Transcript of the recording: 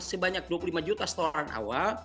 sebanyak dua puluh lima juta setoran awal